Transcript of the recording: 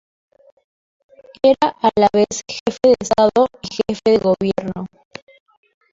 Era, a la vez, jefe de Estado y jefe de gobierno.